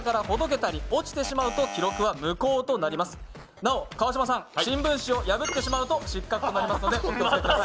なお川島さん、新聞紙を破ってしまうと失格になりますのでご注意ください。